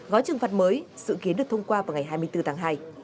gói trừng phạt mới dự kiến được thông qua vào ngày hai mươi bốn tháng hai